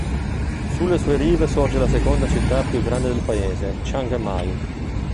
Sulle sue rive sorge la seconda città più grande del paese, Chiang Mai.